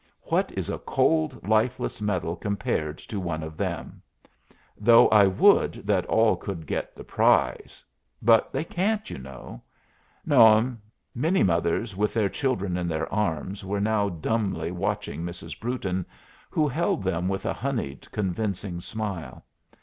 What is a cold, lifeless medal compared to one of them? Though I would that all could get the prize! But they can't, you know." "No, m'm." Many mothers, with their children in their arms, were now dumbly watching Mrs. Brewton, who held them with a honeyed, convincing smile.